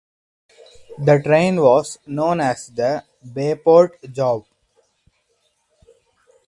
The train was known as the "Bayport Job".